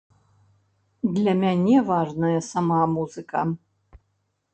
Для мяне важная сама музыка.